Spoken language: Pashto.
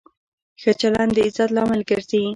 ښه چلند د عزت لامل ګرځي.